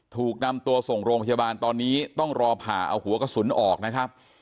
ถูกนำตัวส่งโรงพยาบาลตอนนี้ต้องรอผ่าเอาหัวกระสุนออกนะครับ